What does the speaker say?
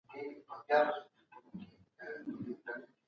څېړونکی د حقیقت پلټونکی وي.